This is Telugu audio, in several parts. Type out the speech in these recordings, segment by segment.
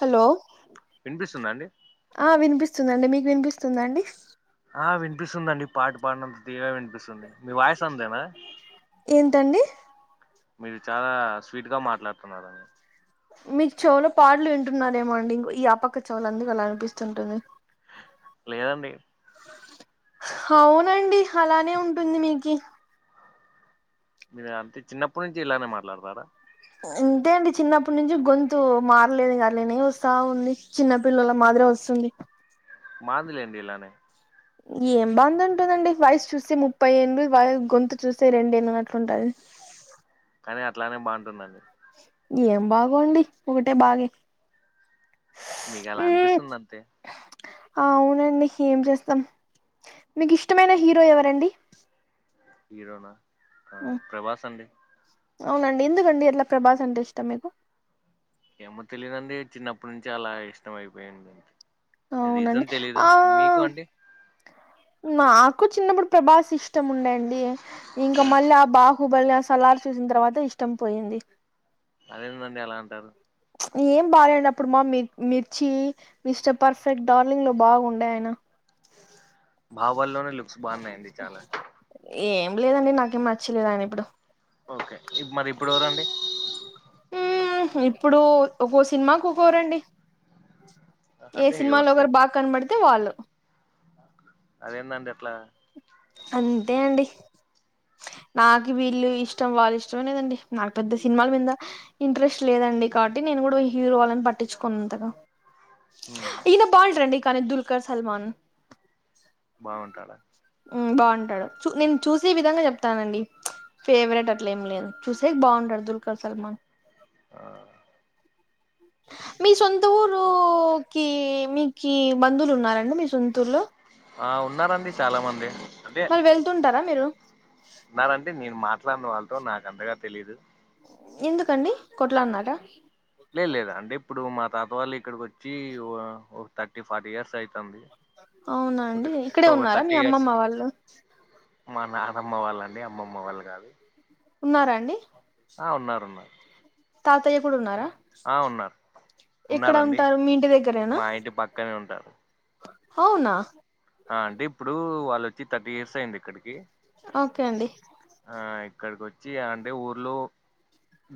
హలో? వినిపిస్తుందా అండి? ఆ వినిపిస్తుందండి. మీకు వినిపిస్తుందా అండి? ఆ, వినిపిస్తుందండి, పాట పాడినంత తీయ్యగా వినిపిస్తుంది. మీ వాయిస్ అంతేనా? ఏంటండి? మీది చాలా స్వీట్ గా మాట్లాడుతున్నారని మీకు చెవులో పాటలు వింటున్నారేమో అండి ఇం ఈ అపక్క చెవుల అందుకు అలా అనిపిస్తుంటుంది. లేదండి. హవునండి హలానే ఉంటుంది మీకి మీరు అంతే చిన్నప్పటి నుంచి ఇలానే మాట్లాడతారా? ఇంతే అండి చిన్నప్పటి నుంచి గొంతూ మారలేదు. గదులేనే వస్తా ఉంది. చిన్న పిల్లల మాదిరే ఒస్తుంది. మాది లేండి ఇలానే ఏం బాంద ఉంటుందండి? వయసు చూస్తే, ముప్పై ఏళ్ళు వై గొంతు చూస్తే, రెండేళ్ళు అన్నట్లుంటది. కనీ అట్లానే బాగుంటుందండి. ఏం బాగో అండి? ఒకటే బాగే మీకలా అనిపిస్తుంది అంతే ఆ అవునండి ఏం జేస్తం? మీకు ఇష్టమైన హీరో ఎవరండి? హీరోనా? ఆ ఉమ్, ప్రభాస్ అండి. అవునండి ఎందుకండీ అట్లా ప్రభాస్ అంటే ఇష్టం మీకు ఏమో తెలియదండి చిన్నప్పుడు నుంచి అలా ఇష్టమైపోయింది అవునండి రీజన్ తెలియదు ఆ మీకు అండి నాకు చిన్నప్పుడు ప్రభాస్ ఇష్టం ఉండండి ఇంకా మళ్ళీ ఆ బా హుబ్బల్ల సలార్ చూసిన తర్వాత ఇష్టం పోయింది అదేనండి అలా అంటారు ఏం బాగాలేనప్పుడు మా మి మిర్చి మిస్టర్ ఫర్ఫెక్ట్ డార్లింగ్ లో బాగుండే ఆయన భావాల్లోనే లుక్స్ బాగున్నాయండి చాలా ఏం లేదండి నాకేం నచ్చలేదండి ఇప్పుడు ఓకే మరి ఇప్పుడు ఎవరండీ ఉ హు ఇప్పుడు ఒక సినిమాకు ఒక్కోరండి ఏ అంటే సినిమాలో ఎవరు ఒకరు బాగా కనపడితే వాళ్ళు అదేందండి అట్లా అంతే అండి నాకు వీళ్ళు ఇష్టం వాళ్ళు ఇష్టమే లేదండి నాకు పెద్ద సినిమాల మింద ఇంట్రెస్ట్ లేదండి కాబట్టి నేను కూడా హీరో వాళ్ళని పట్టించుకోను అంతగా ఉమ్ ఈయన బాగుంటాడండి కానీ దుర్గా సల్మాన్ బాగుంటాడా ఉ బాగుంటాడు చూ నేను చూసే విధంగా చెప్తానండి ఫేవరెట్ అట్ల ఏం లేదు చూసే బాగుంటాడు దుర్గా సల్మాన్ ఆ మీ సొంత ఊరు కి మీకీ బంధువులు ఉన్నారండి మీ సొంతూరులో ఆ ఉన్నారండి చాలా మంది అంటే మరి వెళ్తుంటారా మీరు నాన్నంటే నేను మాట్లాడను వాళ్ళతో నాకు ఇంతగా తెలీదు ఎందుకండీ కొట్లో అన్నారా లేదు లేదు అంటే ఇప్పుడు మా తాతవాళ్లు ఇక్కడికి వచ్చి ఓ థర్టీ ఫార్టీ ఇయర్స్ అయితాంది అవునండి ఇక్కడే ఉన్నారా మీ అమ్మమ్మ వాళ్లు మా నాన్నమ్మ వాళ్లండి అమ్మమ్మ వాళ్లు కాదు ఉన్నారండి ఆ ఉన్నారు ఉన్నారు తాతయ్య కూడా ఉన్నారా ఆ ఉన్నారు ఇక్కడ ఉంటారు మీ ఇంటి దగ్గరేనా ఇక్కడే ఉంటాను అవునా ఆ అంటే ఇప్పుడు వాళ్లొచ్చి థర్టీ ఇయర్స్ అయింది ఇక్కడికి ఓకే అండి ఆ ఇక్కడికొచ్చి అంటే ఊర్లో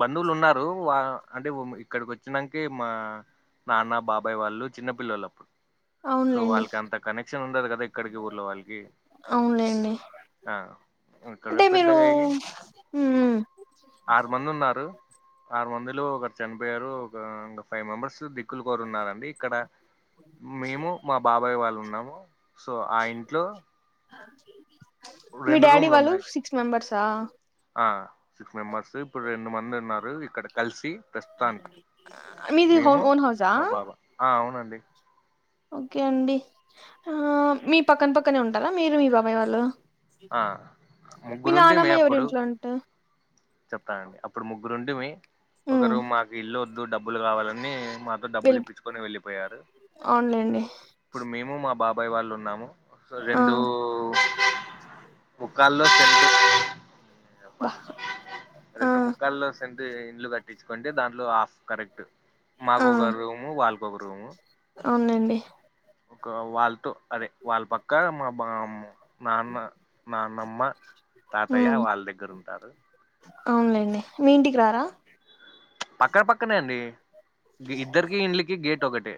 బంధువులు ఉన్నారు వా అంటే అక్కడికి వచ్చినంకే మా నాన్న బాబాయ్ వాళ్ళు చిన్నపిల్లలు అప్పుడు సో అవునులేండి వాళ్ళకి అంత కనెక్షన్ ఉండదు కదా ఇక్కడికి ఊర్లో వాళ్ళకి అవునులేండి ఆ ఇక్కడే అంటే మీరు పెద్దగాయి ఉమ్ ఆరు మంది ఉన్నారు ఆరు మందిలో ఒకరు చనిపోయారు ఒక ఇంకా ఫైవ్ మెంబర్స్ దిక్కులు ఉన్నారండి ఇక్కడ మేము మా బాబాయ్ వాళ్ళు ఉన్నాము సో ఆ ఇంట్లో మీ రెండు డాడీ రూమ్లు వాళ్లు ఉన్నాయి సిక్స్ మెంబర్స్ ఆ ఆ సిక్స్ మెంబర్స్ ఇప్పుడు రెండు మంది ఉన్నారు ఇక్కడ కలిసి ప్రస్తుతానికి మీది హోన్ మేము ఓన్ హౌసా మా బాబా ఆ అవునండి ఓకే అండి ఆ మీ పక్కన పక్కనే ఉంటారా మీరు మీ బాబాయి వాళ్ళు ఆ మీ ముగ్గురుంటిమి నానమ్మ అప్పుడు ఎవరింట్లో ఉంట చెప్తానండి అప్పుడు ముగ్గురుంటిమి ఉమ్ ఒకరు మాకు ఇల్లు వద్దు డబ్బులు కావాలని మా వెళ్ డబ్బులు ఇప్పించుకొని వెళ్ళిపోయారు అవునులేండి ఇప్పుడు మేము మా బాబాయ్ వాళ్ళు ఉన్నాము సొ ఆ రెండూ ముక్కాల్లో చె బా ఆ రెండూ ముక్కాల్లో టె ఇండ్లు కట్టించుకుంటే దాంట్లో హఫ్ కరెక్ట్ మాకొక రూము వాళ్ళకొక రూము అవునండి ఒక వాళ్ళతో అదే వాళ్ళ పక్క మా బా నాన్న నాన్నమ్మ ఉమ్ తాతయ్య వాళ్ళ దగ్గర ఉంటారు అవునులేండి మీ ఇంటికి రారా పక్క పక్కనే అండి ఇద్దరిక ఇండ్లకి గేట్ ఒకటి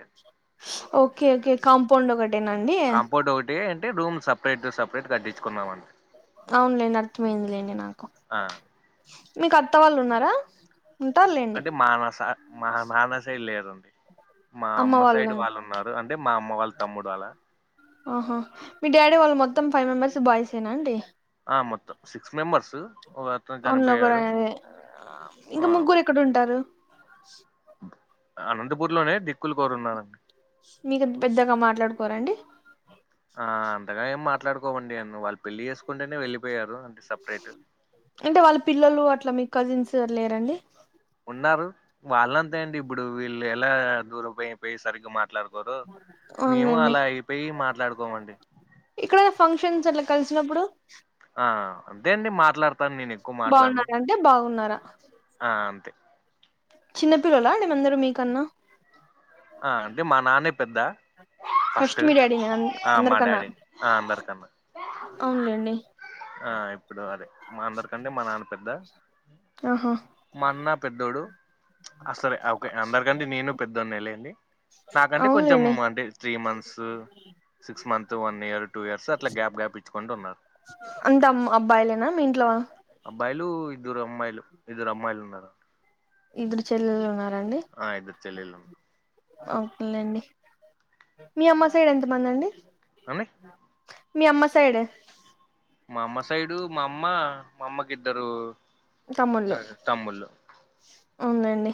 ఓకే ఓకే కాంపౌండ్ ఒకటేనాండి ఫోటో ఒకటి అంటే రూమ్ సపరేట్ సపరేట్ కట్టించుకున్నామండి అవునులేండి అర్థమైంది లేండి నాకు ఆ మీకు అత్తవాళ్ళు ఉన్నారా ఉంటారులేండి అంటే మా నా మా నాన్న సైడ్ లేరండి మా అమ్మ సైడ్ వాళ్ళు ఉన్నారు అంటే మా అమ్మ వాళ్ళ తమ్ముడు ఆలా ఆహా మీ డాడీ వాళ్ళు మొత్తం ఫైవ్ మెంబర్స్ బాయ్సేనా అండి ఆ మొత్త సిక్స్ మెంబర్స్ ఒక అతను అన్లోగర చనిపోయాడు అదే ఆ ఇంకా ముగ్గురు ఎక్కడ ఉంటారు అనంతపూర్ లోనే దిక్కులు కోరు ఉన్నారండి మీకు అంత పెద్దగా మాట్లాడుకోరండి ఆ అంతగా ఏం మాట్లాడుకోమండి అన్ను వాళ్ళు పెళ్లి చేసుకుంటేనే వెళ్ళిపోయారు అంటే సపరేట్ అంటే వాళ్ళ పిల్లలు అట్లా మీ కజిన్స్ అట్లా లేరండి ఉన్నారు వాళ్ళంతా ఏంది ఇప్పుడు వీళ్ళు ఎలా దూరం పో పోయి సరిగ్గా మాట్లాడు కొరో మేము అవునండి అలా అయిపోయి మాట్లాడుకోమండి ఇక్కడ ఫంక్షన్స్ అట్లా కలిసినప్పుడు ఆ అంతే అండి మాట్లాడతాను నేను ఎక్కువ మాట్లాడను బాగున్నారా అంటే బాగున్నారా ఆ అంతే చిన్నపిల్లలా అండి అందరు మీకన్నా ఆ అంటే మా నాన్నే పెద్ద ఫస్ట్ మీ డాడీ నే ఆ మా అందరికన్నా డాడిని ఆ అందరికన్న అవునులేండి ఆ ఇప్పుడు అదే మా అందరికన్న మా నాన్న పెద్ద ఆహా మా అన్న పెద్దోడు ఆ సరే ఆ ఓకే అందరికంటే నేను పెద్దోన్న లేండి నాకంటే కొంచెం అవునులేండి అంటే three months six month one year two years అట్లా గ్యాప్ గ్యాప్ ఇచ్చుకుంటు ఉన్నారు అంత అబ్బాయిలేనా మీ ఇంట్లో అబ్బాయిలు ఇద్దరు అమ్మాయిలు ఇద్దరు అమ్మాయిలు ఉన్నారు ఇద్దరు చెల్లెలు ఉన్నారండి ఆ ఇద్దరు చెల్లెళ్ళు ఓకేనండి మీ అమ్మ సైడ్ ఎంతమంది అండి అండి మీ అమ్మ సైడ్ మా అమ్మ సైడు మా అమ్మ మా అమ్మకి ఇద్దరు తమ్ముళ్లు తమ్ముళ్ళు ఉందండి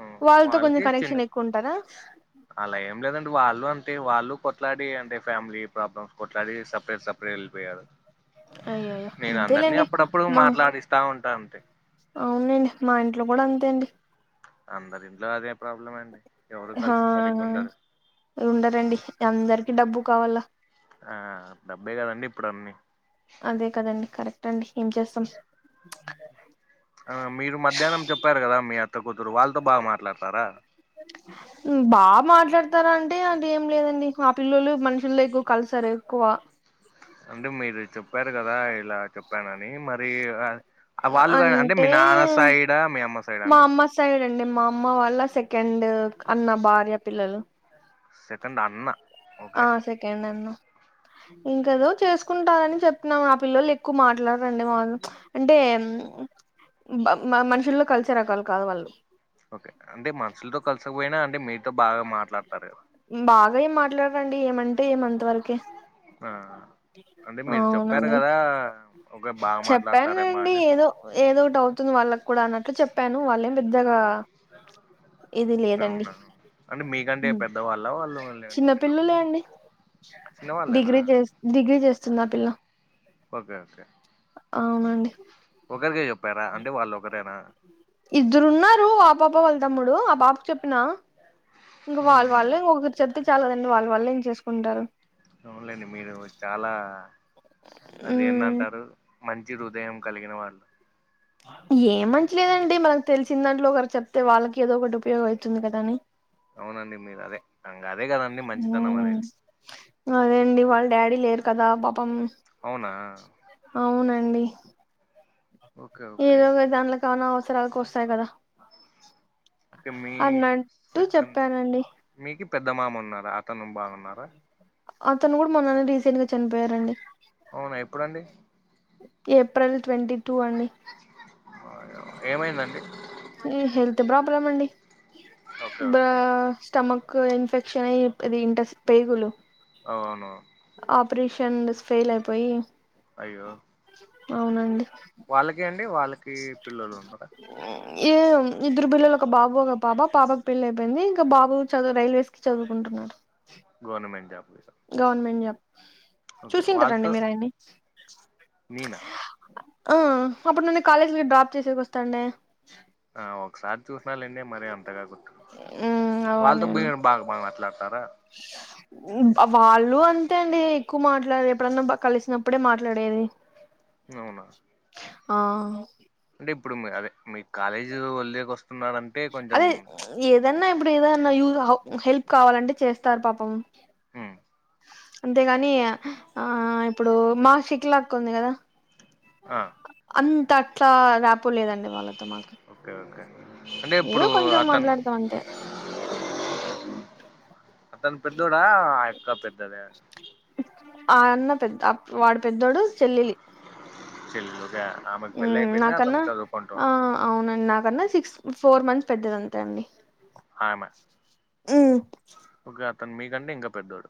ఉమ్, వాళ్ళతో కొంచెం వాళ్ళకి చిన్న కనెక్షన్ ఎక్కువ ఉంటారా అలా ఏం లేదండి వాళ్ళు అంటే వాళ్ళు కొట్లాడి అంటే ఫ్యామిలీ ప్రాబ్లమ్స్ కొట్లాడి సపరేట్ సపరేట్ వెళ్ళిపోయారు అయ్యయ్యో నేను అందరినీ అంతేలేండి అప్పుడప్పుడు మా మాట్లాడిస్తా ఉంటా అంటే అవునండి మా ఇంట్లో కూడా అంతే అండి అందరి ఇంట్లో అదే ప్రాబ్లం అండి ఎవరు ఆ కలిసి సరిగ్గా ఉండరు ఉండరండి అందరికి డబ్బు కావాలా ఆ డబ్బే కదండి ఇప్పుడు అన్ని అదే కదండి కరెక్ట్ అండి ఏం చేస్తాం ఆ మీరు మధ్యాహ్నం చెప్పారు కదా మీ అత్త కూతురు వాళ్ళతో బాగా మాట్లాడతారా మ్మ్ బాగా మాట్లాడతారా అంటే అదేం లేదండి మా పిల్లలు మనుషుల్లో ఎక్కువ కలిసరు ఎక్కువ అంటే మీరు చెప్పారు కదా ఇలా చెప్పానని మరి వాళ్ళు కా అంటే మీ నాన్న సైడ్ మీ అమ్మ సైడ మా అండి అమ్మ సైడ్ అండి మా అమ్మ వాళ్ళ సెకండ్ అన్న భార్య పిల్లలు సెకండ్ అన్న ఆ ఓకే సెకండ్ అన్న ఇంకదో చేసుకుంటనని చెప్పినం ఆ పిల్లొల్లు ఎక్కువ మాట్లారండి మాతో అంటే బా మ మ మనుషుల్లో కలిసే రకాలు కాదు వాళ్ళు ఓకే అంటే మనుషులతో కలిసికపోయినా అంటే మీతో బాగా మాట్లాడతారు మ్మ్ బాగా ఏం మాట్లారండి ఏమంటే ఎం అంత వరకే ఆ అంటే మీరు చెప్పారు అవునండి కదా ఒకే బాగా మాట్లాడతారెమో చెప్పానండి అని ఏదో ఒకటి అవుతుంది వాళ్ళకి కూడా అన్నట్టు చెప్పాను వాళ్ళేం పెద్దగా ఇ ఇది క లేదండి అవునా అంటే మీకంటే ఉమ్. పెద్దవాళ్ళ వాళ్ళు మళ్ళీ చిన్న చిన్నవ పిల్లలే అండి డిగ్రీ చేస్ డిగ్రీ చేస్తుంది ఆ పిల్ల ఓకే ఓకే అవునండి ఒకరికే చెప్పారా అంటే వాళ్ళు ఒకరేనా ఇద్దరు ఉన్నారు ఆ పాప వాళ్ళు తమ్ముడు ఆ పాప చెప్పినా ఇంగ వాళ్ళు ఉమ్, వాళ్ళే ఇంకొకరు చెప్తే చాలదండి వాళ్ళు వాళ్ళే యూస్ చేసుకుంటారు అవునులేండి మీరు చాలా అది ఉమ్, ఏందంటారు మంచి హృదయం కలిగిన వాళ్ళు ఏం మంచిలేదండి మనకు తెలిసిన దాంట్లో ఒకరు చెప్తే వాళ్ళకి ఏదో ఒకటి ఉపయోగం అయితుంది కదా అని అవునండి మీరు అదే ఇంగ అదే కదండి మంచితనం ఉమ్ అనేది అదేండి వాళ్ళ డాడీ లేరు కదా పాపం అవునా అవునండి ఓకే ఇది ఓకే దాన్ల అన అవసరాలు కోస్తాయి కదా ఓకే మీ అన్నట్టు సెకండ్ చెప్పానండి మీకు పెద్ద మామ ఉన్నారా అతను బాగాన్నారా అతను కూడా మొన్ననే రీసెంట్ గా చనిపోయారండి అవునా ఎప్పుడండి ఏప్రిల్ ట్వంటీ టూ అండి అయ్యే ఏమైందండి ఈ హెల్త్ ప్రాబ్లం అండి ఓకే బ ఓకే స్టమక్ ఇన్ఫెక్షనయి దింటది ఇంటస్ పేగులు అవునా ఆపరీషన్స్ ఫెయిలయిపోయి అయ్యో వాళ్ళకి అండి వాళ్ళకీ పిల్లలున్నరా ఈ ఇద్దరు పిల్లలు ఒక బాబు ఒక పాప పాబకు పెళ్లైపోయింది ఇంక బాబు చదువు రైల్వేస్ కి చదువుకుంటున్నారు గవర్నమెంట్ జాబ్ గురించ గవర్నమెంట్ జాబ్ చూసింటరండి వాళ్ళతో మీరాయన్ని నేనా ఆ అప్పుడు నన్ను కాలేజిలో డ్రాప్ చేసేకి వస్తాండే ఆ ఒకసారి చూసినాలెండి మరీ అంతగా గుర్ మ్మ్ వాళ్ళతో బి అవునండి బాగ బాగ మాట్లాడతారా మ్మ్ వాళ్ళు అంతే అండి ఎక్కువ మాట్లాడరు ఎప్పుడన్నా బ కలిసినప్పుడే మాట్లాడేది అవున ఆ అంటిప్పుడు మరదే మీ కాలేజీవల్లేక వస్తున్నారం అదే మ్చ్ ఏదన్నా ఇప్పుడేదన్నా యూ హెల్ప్ కావాలంటే చేస్తారు పాపం ఉమ్, అంతేగానీ ఆ ఇప్పుడూ మాషిక్లక్క ఉంది గదా అ అంతట్లా రాపో లేదండి వాళ్ళతో మాకి ఒకే ఒకే అంటే ఏదో ఇప్పుడూ కొంచెం అతన్ మాట్లాడతాం అంతే అతను పెద్దోడా ఆయక్క పెద్దదా ఆ అన్న పెద్ద వాడు పెద్దోడు చెల్లిల్ చెల్లవుద్దా మ్మ్ నాకన్నా ఆ అవునండ్ నాకన్న ఫోర్ మంత్ పెద్దదంతే అండి ఆమె ఉమ్ ఓకే అతను మీకంటే ఇంకా పెద్దోడు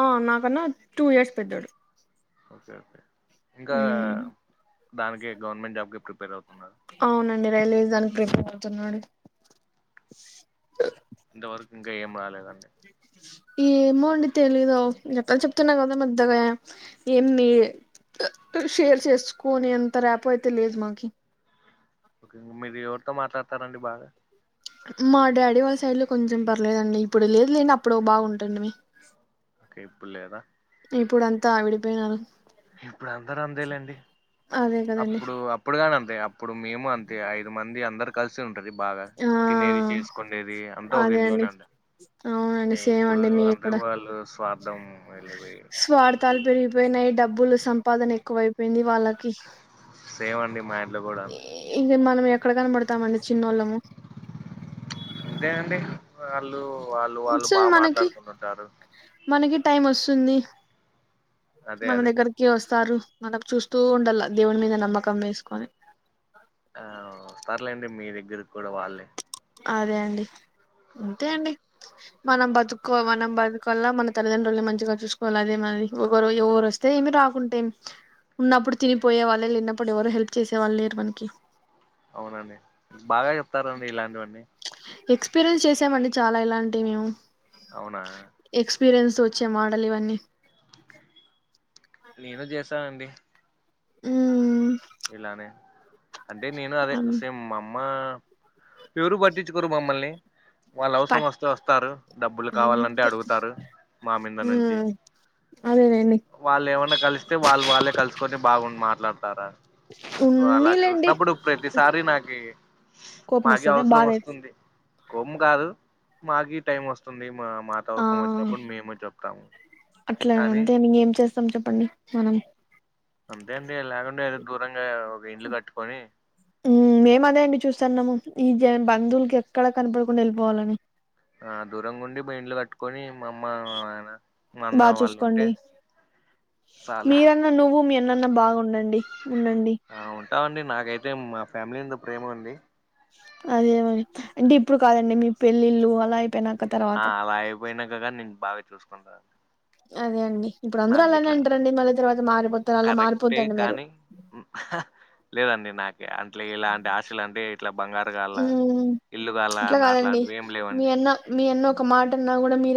ఆ నాకన్నా టూ ఇయర్స్ పెద్దడు ఒకే ఒకే ఇంకా ఉమ్ దానికి గవర్నమెంట్ జాబ్కి ప్రిపేర్ అవుతున్నార అవునండి రైల్వే దానికి ప్రిపేర్ అవుతున్నాడు ఇంత వరకు ఇంక ఏం రాలేదండి ఏమో అండి తెలీదు [unintelligible] చెప్తున్నాగదా ముద్దగా ఏమి షేర్ చేసుకోనే అంత ర్యాపో అయితే లేదు మాకి ఒకే మీది ఎవరితో మాట్లాడతారండి బాగ మా డాడీ వాళ్ళ సైడ్లో కొంచం పర్లేదండి ఇప్పుడు లేదులేండి అప్పుడు బాగుంటుండిమి ఓకే ఇప్పుడ్ లేదా ఇప్పుడంతా విడిపోయినారు ఇప్పుడందరు అంతే లెండి అదే కదండి అప్పుడూ అప్పుడు గనంతే అప్పుడు మేము అంతే ఐదు మంది అందరు కలిసి ఉంటది బాగ ఆ తినేది చేసుకుండేదీ అంతా ఒక ఇంట్లోనే అండి అవునండి సేమండి మేం కుడ వాళ్ళు స్వార్థం వెళ్ళిపోయి స్వా ర్థాలు పెరిగిపోయినయి డబ్బులు సంపాదన ఎక్కువైపోయింది వాళ్ళ సేమండి మా ఇంట్లో గూడా ఇంగ మనం ఎక్కడ కనపడతామండి చిన్నోళ్ళము తే అండి వాళ్ళు వాళ్ళు వాళ్ళు బాగ మాట్లాడుకుండంటారు మనకీ టైం వస్తుంది అదే మన అదే దగ్గరకీ వస్తారు మనం చూస్తూ ఉండాల దేవుని మీద నమ్మకం వేసుకొని ఆ వస్తర్లేండి మీ దగ్గర కూడా వాళ్ళే అదే అండి అంతే అండి మనం బతుకు మనం బతుకులా మన తల్లిదండ్రులని మంచిగా చూసుకోవాలి అదే మ ఎవరు ఎవరు వ వత్తే ఏం రాకుంటేం ఉన్నప్పుడు తినిపోయే వాళ్ళు లేనప్పుడు ఎవరు హెల్ప్ చేసే వాళ్ళు లేరు మనకి అవునండి బాగా చెప్తారండి ఇలాంటివన్నీ ఎక్స్పీరియన్స్ చేసామండి చాలా ఇలాంటివి మేము అవునా ఎక్స్పీరియన్స్తో వచ్చే మాటలు ఇవన్నీ నేను చేశానండి ఉం ఇలానే అంటే నేను అదే అన్ సేమ్ మా అమ్మ ఎవరూ పట్టించుకోరు మమ్మల్ని వాళ్ళు అవసరం పట్ వస్తే వస్తారు డబ్బులు కావాలంటే అంతే అడుగుతారు మా మీంద నుంచి అదెలెండి వాళ్ళు ఏమైన్నా కలిస్తే వాళ్ళు వాళ్ళే కలుసుకొని బాగుండి మాట్లాడతారా సో అలా ఉన్నీలేండి చూసినప్పుడు ప్రతిసారి నాకి కోపం మాగే వస్తదా అవసరం బాధ వస్తుంది కోపం కాదు మాకి టైం వస్తుంది మా మా ఆ అవసరం వచ్చినప్పుడు మేము చెప్తాము అని ఇంగేం చెస్ చెప్పండి మనం అంతే అండి లేకుండా ఏదో దూరంగా ఒక ఇండ్లు కట్టుకొని ఉం మేము అదే అండి చూస్తాన్నాము ఈ జ బంధువులకి ఎక్కడ కనపడకుండా వెళ్ళిపోవాలని ఆ దూరంగా ఉండి బ ఇండ్లు కట్టుకొని మా అమ్మ మా నానా బాగా చూసుకోండి చాలు మీరన్నా నువ్వు మీ మీరన్న బాగుండండి ఉండండి ఆ ఉంటావండి నాకైతే మా ఫ్యామిలీందు ప్రేమ ఉంది అదే మరి అంటే ఇప్పుడు కాదండి మీ పెళ్ళిళ్ళు అలా అయిపోయిన ఆ అలా అయిపోయినాకగానీ నేను బాగా చూసుకుంటను అదే అండి ఇప్పుడు అందరు అలానే ఇట్లా అంటారండి మళ్ళీ తర్వాత మారిపోతారు అలా కరెక్టే మారిపోందండి మీరు కానీ లేదండి నాకే అట్లే ఇలాంటి ఆశలు అంటే ఇట్లా బంగారు కాళ ఉమ్ ఇల్లు కాల ఇట్లా కాదండి అట్లాంటివి ఏమి మీ లేవండి అన్న మీ అన్నో ఒక మాటన్నా కూడా మీరు